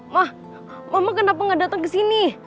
mah mama kenapa gak datang kesini